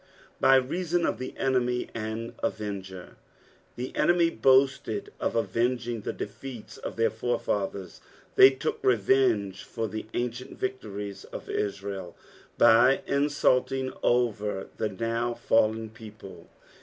"Bg Ttatoa of the enemy and avenger." The eoetny boasted of aven^Dg the defeats of their forefathers ; they took revenge for the ancient ▼ictories of Israel, by insalting over the now fallen people.